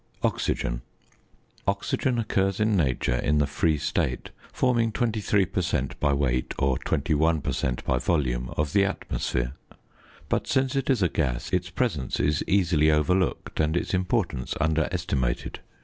OXYGEN. Oxygen occurs in nature in the free state, forming 23 per cent. by weight, or 21 per cent. by volume of the atmosphere; but, since it is a gas, its presence is easily overlooked and its importance underestimated.